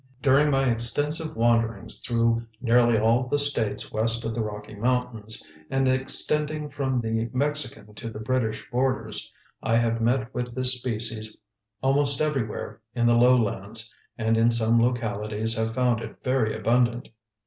During my extensive wanderings through nearly all the states west of the Rocky Mountains and extending from the Mexican to the British borders, I have met with this species almost everywhere in the lowlands and in some localities have found it very abundant.